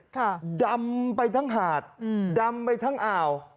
ดำไปทั้งหาดอืมดำไปทั้งอ่าว